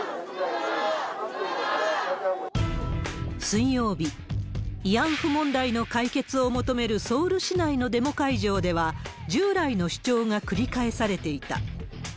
水曜日、慰安婦問題の解決を求めるソウル市内のデモ会場では、従来の主張が繰り返されていた。